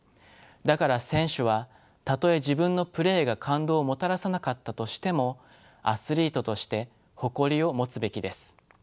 だから選手はたとえ自分のプレーが感動をもたらさなかったとしてもアスリートとして誇りを持つべきです。